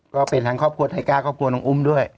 ก็เป็นทั้งครอบครัวไทก้าครอบครัวน้องอุ้มด้วย